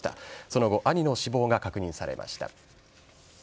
その後兄の死亡が確認されました。